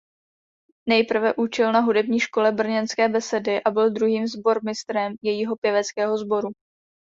Nejprve učil na hudební škole "Brněnské Besedy" a byl druhým sbormistrem jejího pěveckého sboru.